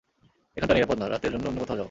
এখানটা নিরাপদ না, রাতের জন্য অন্য কোথাও যাও।